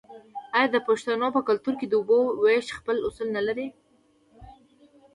آیا د پښتنو په کلتور کې د اوبو ویش خپل اصول نلري؟